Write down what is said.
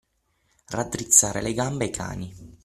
Raddrizzare le gambe ai cani.